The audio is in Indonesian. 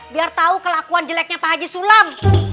biar tahu kelakuan jeleknya pak haji sulam